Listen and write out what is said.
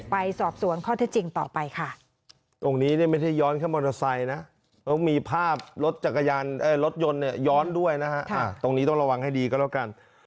ไปสอบสวนข้อที่จริงต่อไปค่ะ